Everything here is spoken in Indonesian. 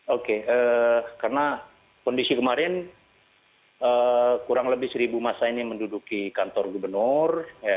oke karena kondisi kemarin kurang lebih seribu masa ini menduduki kantor gubernur